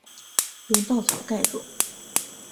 用稻草盖著